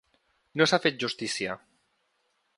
No s’ha fet justícia.